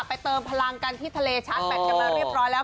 เติมพลังกันที่ทะเลชาร์จแบตกันมาเรียบร้อยแล้ว